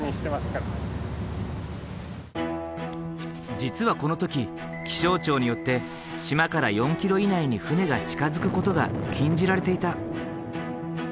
実はこの時気象庁によって島から４ｋｍ以内に船が近づくことが禁じられていた。